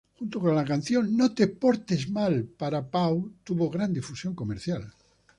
Junto con la canción "No te portes mal"; "Para Pau" tuvo gran difusión comercial.